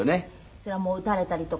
それはもう撃たれたりとか。